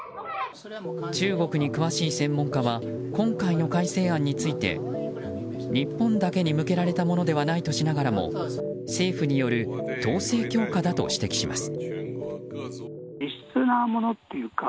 中国に詳しい専門家は今回の改正案について日本だけに向けられたものではないとしながらも政府による統制強化だと指摘します。